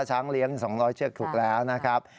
ช้างเลี้ยง๒๐๐เชือกถูกแล้วนะครับ